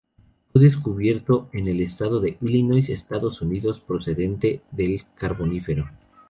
Fue descubierto en el estado de Illinois, Estados Unidos, procedente del Carbonífero.